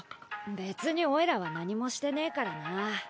別にオイラは何もしてねえからな。